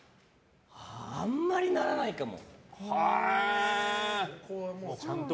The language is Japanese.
あんまりならないかも。